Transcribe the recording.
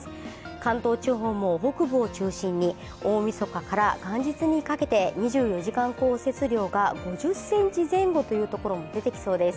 関東地方も北部を中心に大みそかから元日にかけて２４時間降雪量が５０ｃｍ前後のところも出てきそうです。